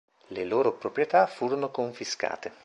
Le loro proprietà furono confiscate.